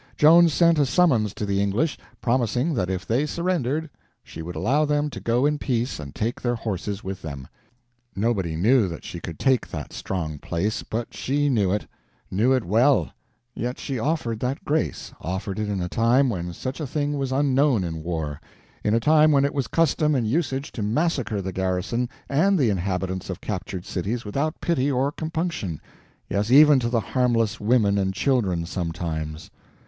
Joan sent a summons to the English, promising that if they surrendered she would allow them to go in peace and take their horses with them. Nobody knew that she could take that strong place, but she knew it—knew it well; yet she offered that grace—offered it in a time when such a thing was unknown in war; in a time when it was custom and usage to massacre the garrison and the inhabitants of captured cities without pity or compunction—yes, even to the harmless women and children sometimes.